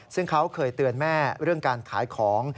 ซึ่งเขาเคยเตือนแม่เรื่องการขายของ